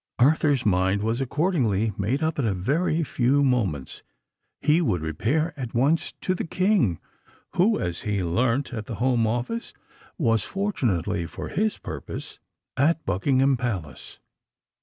Arthur's mind was accordingly made up in a very few moments:—he would repair at once to the King, who, as he learnt at the Home Office, was, fortunately for his purpose, at Buckingham Palace!